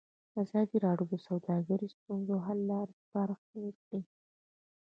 ازادي راډیو د سوداګري د ستونزو حل لارې سپارښتنې کړي.